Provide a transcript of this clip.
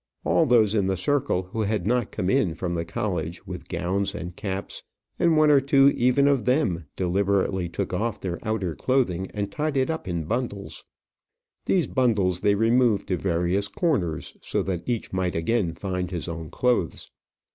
All those in the circle who had not come in from the college with gowns and caps, and one or two even of them, deliberately took off their outer clothing, and tied it up in bundles. These bundles they removed to various corners, so that each might again find his own clothes.